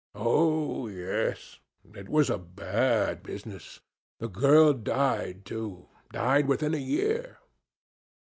Oh, yes; it was a bad business. The girl died, too, died within a year.